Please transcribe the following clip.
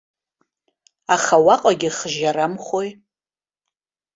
Аха уаҟагьы хжьарамхои.